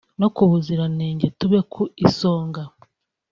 no ku buziranenge tube ku isonga